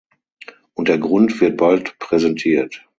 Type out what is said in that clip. Und der Grund wird bald präsentiert.